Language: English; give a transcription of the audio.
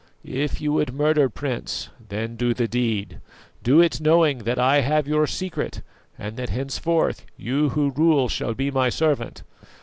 If you would murder, Prince, then do the deed; do it knowing that I have your secret, and that henceforth you who rule shall be my servant.